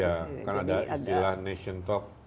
ya kan ada istilah nation talk